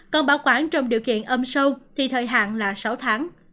còn bảo quản trong điều kiện âm sâu thì thời hạn là sáu tháng